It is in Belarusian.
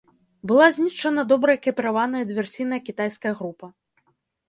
Была знішчана добра экіпіраваная дыверсійная кітайская група.